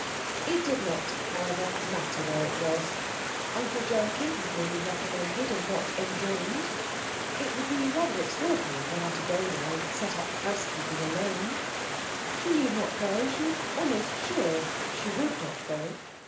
It did not, however, matter where it was. Uncle Joachim had merely recommended and not enjoined. It would be rather extraordinary for her to go there and set up housekeeping alone. She need not go; she was almost sure she would not go.